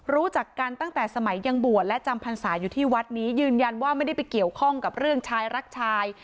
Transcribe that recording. รู้จักกันตั้งแต่สมัยยังบวชและจำพรรษาอยู่ที่วัดนี้ยืนยันว่าไม่ได้ไปเกี่ยวข้องกับเรื่องชายรักชาย